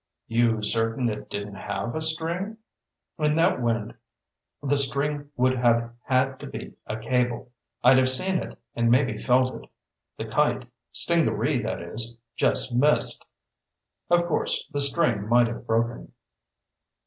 "You certain it didn't have a string?" "In that wind, the string would have had to be a cable. I'd have seen it, and maybe felt it. The kite stingaree, that is just missed. Of course, the string might have broken."